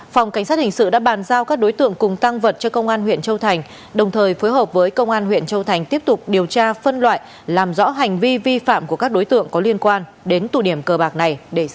phòng cảnh sát hình sự đã bàn giao các đối tượng cùng tăng vật cho công an huyện châu thành tiếp tục điều tra